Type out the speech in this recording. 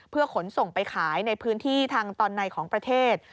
เพื่อขนส่งไปขายในพื้นที่ทางตอนในของประเทศ